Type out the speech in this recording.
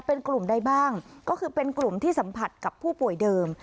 เป็นกลุ่มใดบ้างก็คือเป็นกลุ่มที่สัมผัสกับผู้ป่วยเดิม